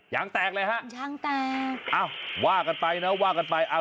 ยังแตกเลยฮะอ้าวว่ากันไปนะว่ากันไป